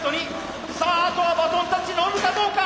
さああとはバトンタッチ乗るかどうか！